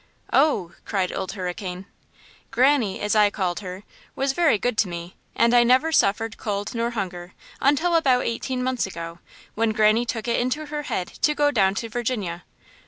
"Oh!" cried Old Hurricane. "Granny, as I called her, was very good to me, and I never suffered cold nor hunger until about eighteen months ago, when Granny took it into her head to go down to Virginia."